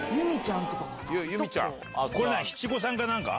これ七五三か何か？